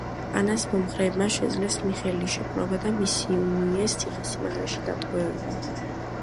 ანას მომხრეებმა შეძლეს მიხეილის შეპყრობა და მისი უნიეს ციხესიმაგრეში დატყვევება.